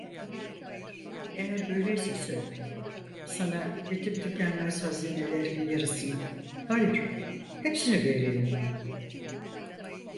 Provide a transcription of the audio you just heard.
Eğer böyleyse söyle, sana bitip tükenmez hâzinelerimin yarısını, hayır, hepsini vereyim.